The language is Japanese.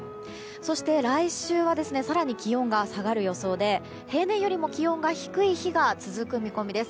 そして来週は更に気温が下がる予想で平年より気温が低い日が続く見込みです。